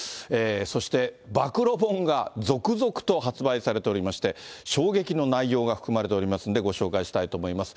そして暴露本が続々と発売されておりまして、衝撃の内容が含まれておりますんで、ご紹介したいと思います。